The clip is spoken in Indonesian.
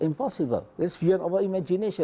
itu tidak mungkin itu di luar imajinasi kita